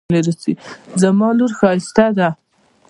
زما لور ښایسته ده